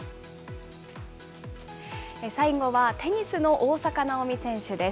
最後はテニスの大坂なおみ選手です。